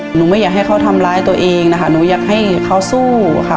ไม่อยากให้เขาทำร้ายตัวเองนะคะหนูอยากให้เขาสู้ค่ะ